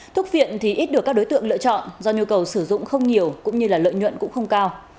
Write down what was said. thuốc viện thì ít được các đối tượng lựa chọn do nhu cầu sử dụng không nhiều cũng như lợi nhuận cũng không cao